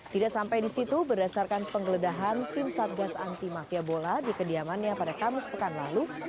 tidak sampai di situ berdasarkan penggeledahan tim satgas anti mafia bola di kediamannya pada kamis pekan lalu